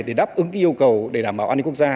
để đáp ứng cái yêu cầu để đảm bảo an ninh quốc gia